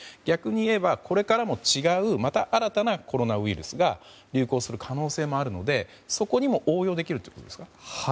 逆に言えばこれからも違うまた新たなコロナウイルスが流行する可能性もあるのでそこにも応用できるということですか？